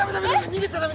逃げちゃダメ！